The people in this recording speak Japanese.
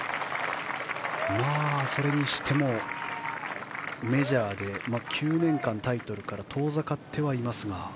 それにしてもメジャーで９年間タイトルから遠ざかってはいますが。